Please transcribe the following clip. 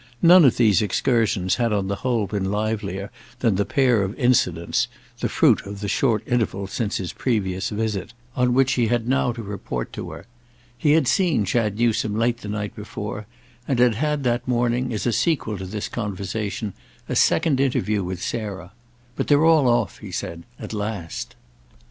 None of these excursions had on the whole been livelier than the pair of incidents—the fruit of the short interval since his previous visit—on which he had now to report to her. He had seen Chad Newsome late the night before, and he had had that morning, as a sequel to this conversation, a second interview with Sarah. "But they're all off," he said, "at last."